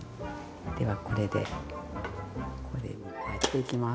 ではこれでこれにやっていきます。